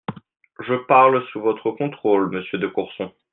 Je parle sous votre contrôle, monsieur de Courson.